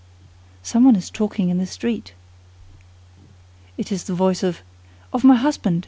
"Someone is talking in the street." "It is the voice of—" "Of my husband!